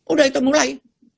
udah itu mulai